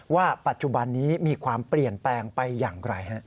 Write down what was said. ว่าปัจจุบันนี้มีความเปลี่ยนแปลงไปอย่างไร